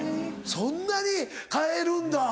そんなに替えるんだ。